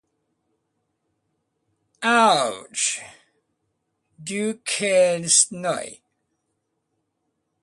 Duquesnoy gave the figure its naturalistic aspect through painstaking carving.